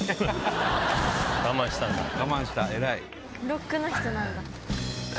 ロックの人なんだ。